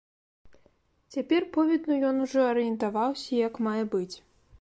Цяпер повідну ён ужо арыентаваўся як мае быць.